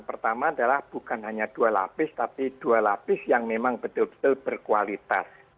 pertama adalah bukan hanya dua lapis tapi dua lapis yang memang betul betul berkualitas